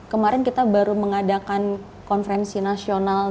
kemarin kita baru mengadakan konferensi nasional